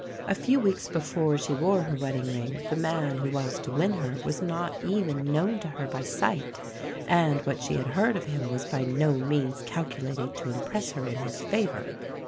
A few weeks before she wore her wedding ring, the man who was to win her was not even known to her by sight; and what she had heard of him was by no means calculated to impress her in his favour.